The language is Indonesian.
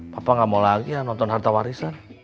papa nggak mau lagi ya nonton harta warisan